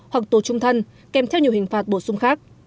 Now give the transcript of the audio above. hoặc tù trung thân kèm theo nhiều hình phạt bổ sung khác